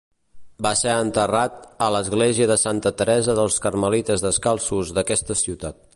Va ser enterrat a l'església de Santa Teresa dels carmelites descalços d'aquesta ciutat.